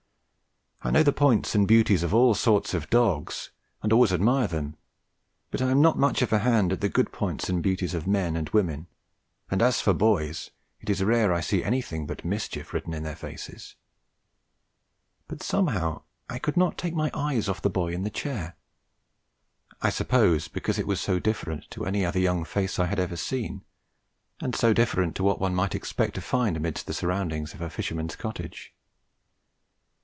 I know the points and beauties of all sorts of dogs, and always admire them, but I am not much of a hand at the good points and beauties of men and women, and as for boys, it is rare I see anything but mischief written in their faces; but somehow I could not take my eyes off the boy in the chair. I suppose because it was so different to an other young face I had ever seen, and so different to what one might expect to find amid the surroundings of a fisherman's cottage.